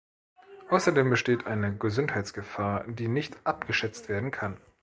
Außerdem besteht eine Gesundheitsgefahr, die nicht abgeschätzt werden kann.